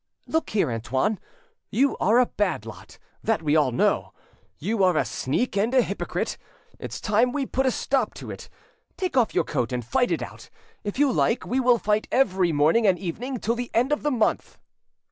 "Look here, Antoine, you are a bad lot, that we all know; you are a sneak and a hypocrite. It's time we put a stop to it. Take off your coat and fight it out. If you like, we will fight every morning and evening till the end of the month."